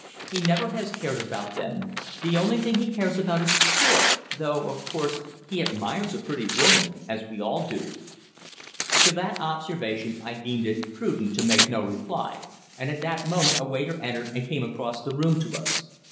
He never has cared about them. The only thing he cares about is sport, though, of course, he admires a pretty woman, as we all do." To that observation I deemed it prudent to make no reply, and at that moment a waiter entered and came across the room to us.